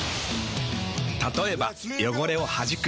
たとえば汚れをはじく。